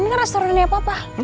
ini restorannya apa pak